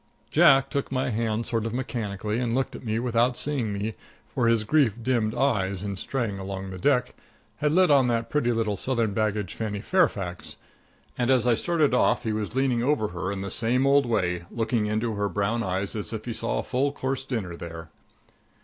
Jack took my hand sort of mechanically and looked at me without seeing me, for his grief dimmed eyes, in straying along the deck, had lit on that pretty little Southern baggage, Fanny Fairfax. And as I started off he was leaning over her in the same old way, looking into her brown eyes as if he saw a full course dinner there.